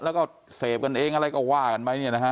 แล้วก็เสพกันเองอะไรก็ว่ากันไปเนี่ยนะฮะ